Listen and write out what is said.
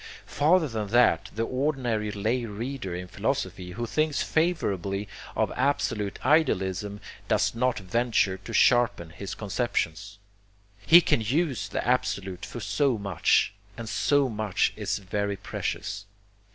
Farther than that the ordinary lay reader in philosophy who thinks favorably of absolute idealism does not venture to sharpen his conceptions. He can use the Absolute for so much, and so much is very precious.